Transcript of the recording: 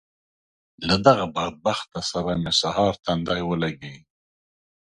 له دغه بدبخته سره مې سهار تندی ولګېږي.